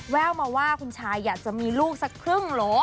แววมาว่าคุณชายอยากจะมีลูกสักครึ่งเหรอ